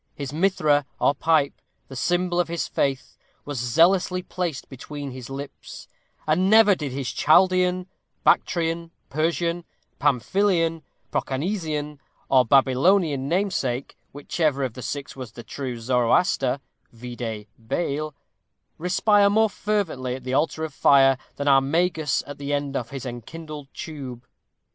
His mithra, or pipe, the symbol of his faith, was zealously placed between his lips, and never did his Chaldean, Bactrian, Persian, Pamphylian, Proconnesian, or Babylonian namesake, whichever of the six was the true Zoroaster vide Bayle, respire more fervently at the altar of fire, than our Magus at the end of his enkindled tube.